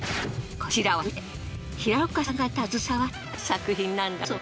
こちらは全て平岡さんが携わった作品なんだそう。